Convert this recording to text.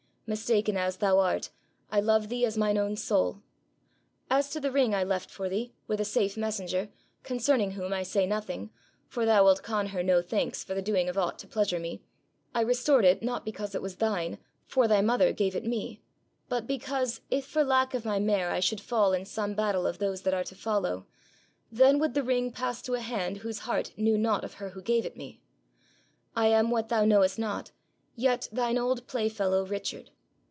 Mistaken as thou art, I love thee as mine own Soul. As to the Ring I left for thee, with a safe Messenger, concerning whom I say Nothing, for thou wilt con her no Thanks for the doing of aught to pleasure me, I restored it not because it was thine, for thy mother gave it me, but because, if for Lack of my Mare I should fall in some Battle of those that are to follow, then would the Ring pass to a Hand whose Heart knew nought of her who gave it me. I am what thou knowest not, yet thine old Play fellow Richard.